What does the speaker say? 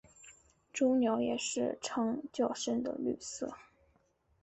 雏鸟也是呈较沉的绿色。